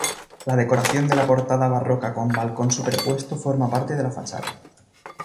La decoración de la portada barroca con balcón superpuesto forma parte de la fachada.